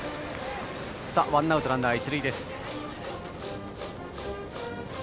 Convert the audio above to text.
ワンアウトランナー、一塁です。